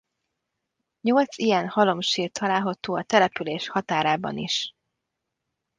Nyolc ilyen halomsír található a település határában is.